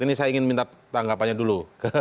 ini saya ingin minta tanggapannya dulu